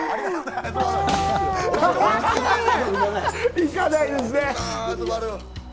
いかないですね。